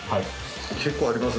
結構ありますね。